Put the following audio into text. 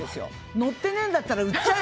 乗ってないんだったら売っちゃえよ！